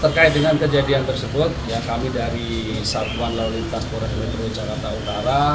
terkait dengan kejadian tersebut kami dari satuan lalu lintas polres metro jakarta utara